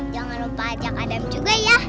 jangan lupa ajak adam juga ya